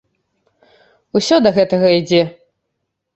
Усе да гэтага ідзе.